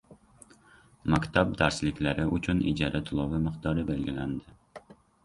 Maktab darsliklari uchun ijara to‘lovi miqdori belgilandi